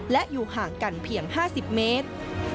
และอยู่ห่างกันเพียง๕๐เมตร